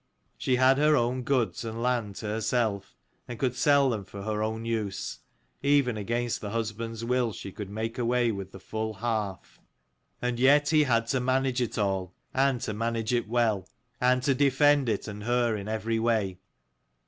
She had her own goods and land to herself, and could sell them for her own use : even against the husband's will she could make away with the full half. And yet he had to 236 manage it all, and to manage it well; and to defend it and her in every way.